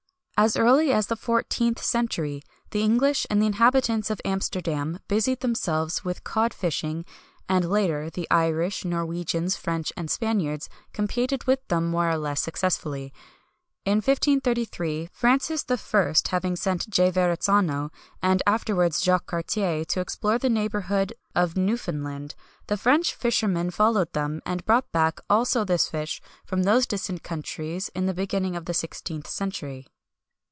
"As early as the 14th century, the English and the inhabitants of Amsterdam busied themselves with cod fishing; and later, the Irish, Norwegians, French, and Spaniards competed with them more or less successfully. In 1533, Francis I. having sent J. Verrazzano, and afterwards, Jacques Cartier, to explore the neighbourhood of Newfoundland, the French fishermen followed them, and brought back also this fish from those distant countries in the beginning of the 16th century.